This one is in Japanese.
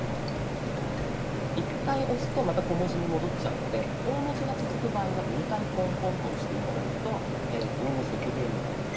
１回押すとまた小文字に戻っちゃうので大文字が続く場合は２回ポンポンと押して頂くと大文字で固定になります。